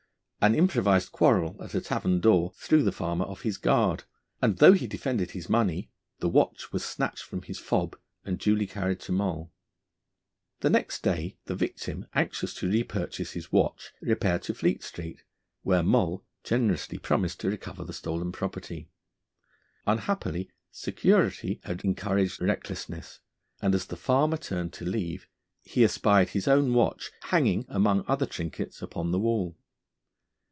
An improvised quarrel at a tavern door threw the farmer off his guard, and though he defended the money, his watch was snatched from his fob and duly carried to Moll. The next day the victim, anxious to repurchase his watch, repaired to Fleet Street, where Moll generously promised to recover the stolen property. Unhappily security had encouraged recklessness, and as the farmer turned to leave he espied his own watch hanging among other trinkets upon the wall.